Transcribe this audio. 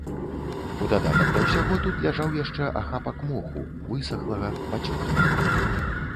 У дадатак да ўсяго, тут ляжаў яшчэ ахапак моху, высахлага, пацёртага.